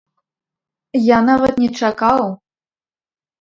Я нават не чакаў!